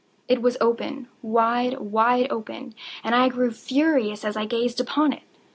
It was open—wide, wide open—and I grew furious as I gazed upon it.